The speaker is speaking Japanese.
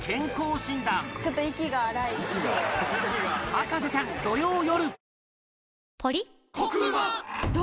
『博士ちゃん』土曜よる